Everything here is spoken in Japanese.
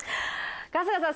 春日さん